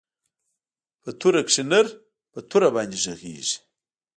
په توره کښې نر په توره باندې ږغېږي.